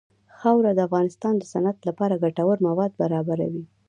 خاوره د افغانستان د صنعت لپاره ګټور مواد برابروي.